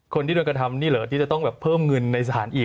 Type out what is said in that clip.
คนที่โดนกระทำนี่เหรอที่จะต้องแบบเพิ่มเงินในสถานอีก